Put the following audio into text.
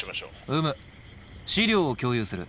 うむ資料を共有する。